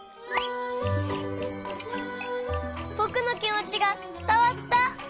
ぼくのきもちがつたわった！